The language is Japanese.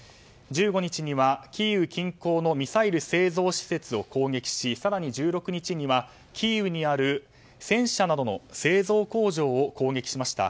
１５日にはキーウ近郊のミサイル製造施設を攻撃し更に１６日にはキーウにある戦車などの製造工場を攻撃しました。